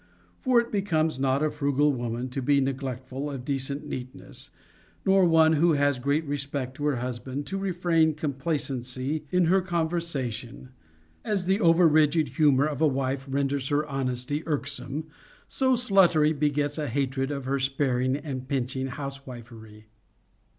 For it becomes not a frugal woman to be neglectful of decent neatness, nor one who has great respect to her husband to refrain complacency in her conversation ; seeing that, as the over rigid humor of a wife renders her honesty irk some, so sluttery begets a hatred of her sparing and pinch ing housewifery.